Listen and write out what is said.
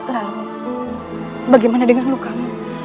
lalu bagaimana dengan lukamu